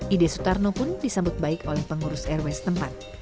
ide sutarno pun disambut baik oleh pengurus rw setempat